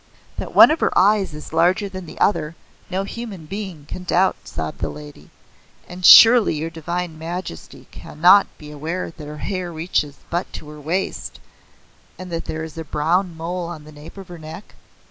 "That one of her eyes is larger than the other no human being can doubt" sobbed the lady "and surely your Divine Majesty cannot be aware that her hair reaches but to her waist, and that there is a brown mole on the nape of her neck?